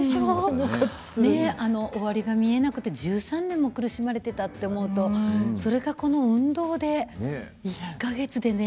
終わりが見えなくて１３年も苦しまれていたって思うとそれがこの運動で１か月でね